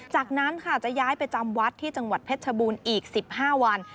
จากนั้นค่ะจะย้ายไปจำวัดที่จังหวัดเพชรชบูรณ์อีก๑๕วัน